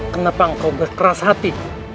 kenapa kau berkeras hati